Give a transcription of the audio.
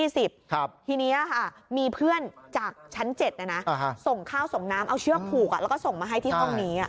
ทีนี้มีเพื่อนจากชั้น๗ส่งข้าวส่งน้ำเอาเชือกผูกแล้วก็ส่งมาให้ที่ห้องนี้